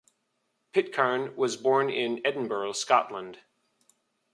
Pitcairne was born in Edinburgh, Scotland.